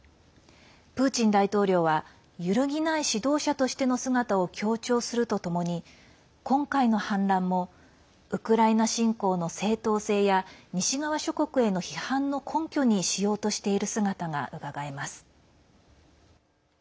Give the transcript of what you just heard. プーチン大統領は揺るぎない指導者としての姿を強調するとともに今回の反乱もウクライナ侵攻の正当性や西側諸国への批判の根拠にしようとしている姿がうかがえます。